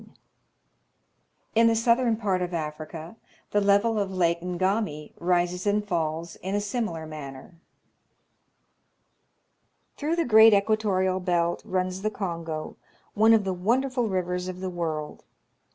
In the southern part of Africa the level of Lake Ngami rises and falls in a similar manner. Through the great equatorial belt runs the Kongo, one of the wonderful rivers of the world.